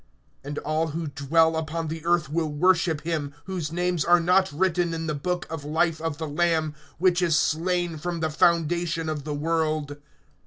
(8)And all who dwell upon the earth will worship him, whose names are not written in the book of life of the Lamb which is slain, from the foundation of the world.